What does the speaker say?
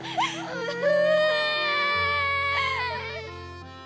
うん！